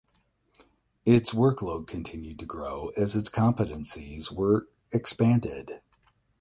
Its workload continued to grow as its competencies were expanded.